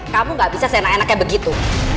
kamu gak bisa senang enak kayak begitu